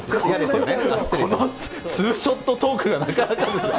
このツーショットトークがなかなか。